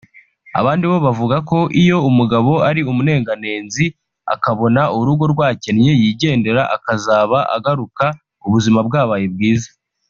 abandi bo bavuga ko iyo umugabo ari umunenganenzi akabona urugo rwakennye yigendera akazaba agaruka ubuzima bwabaye bwiza